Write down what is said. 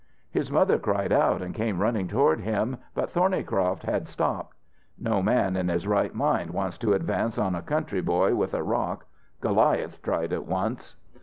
His mother cried out and came running toward him, but Thornycroft had stopped. No man in his right mind wants to advance on a country boy with a rock. Goliath tried it once.